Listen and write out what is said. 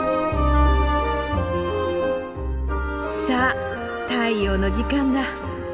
さあ太陽の時間だ。